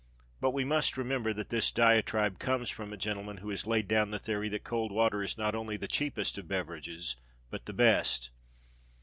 But we must remember that this diatribe comes from a gentleman who has laid down the theory that cold water is not only the cheapest of beverages, but the best.